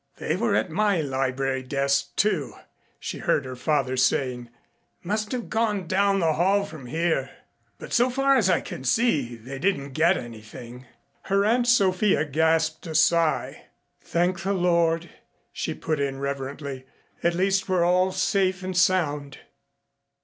"They were at my library desk, too," she heard her father saying. "Must have gone down the hall from here. But so far as I can see, they didn't get anything." Her Aunt Sophia gasped a sigh. "Thank the Lord," she put in reverently. "At least we're all safe and sound."